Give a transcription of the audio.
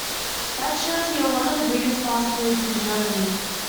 That shows we are one of the biggest fast-foods in Germany.